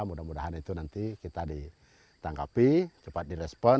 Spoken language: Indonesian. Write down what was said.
mudah mudahan itu nanti kita ditangkapi cepat direspon